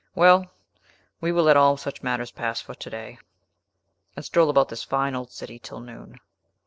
Well; we will let all such matters pass for to day, and stroll about this fine old city till noon."